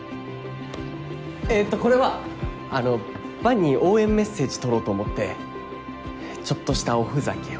えとこれは伴に応援メッセージ撮ろうと思ってちょっとしたおふざけを。